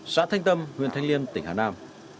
xã thanh tâm huyện thanh liên tỉnh hà nam